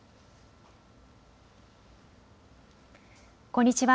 こんにちは。